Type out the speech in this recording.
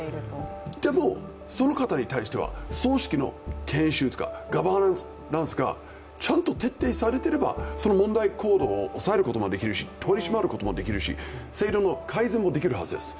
でもその方に対しては組織の研修とかガバナンスがちゃんと徹底されていればその問題行動を抑えることもできるし取り締まることもできるし、制度の改善もできるはずです。